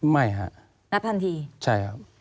ไม่ครับรับทันทีใช่ครับ